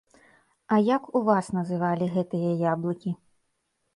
А як у вас называлі гэтыя яблыкі?